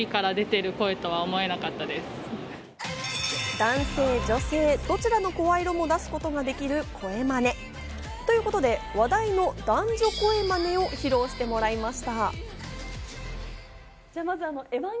男性女性どちらの声色も出すことができる声まね。ということで、話題の男女声まねを披露してもらいました。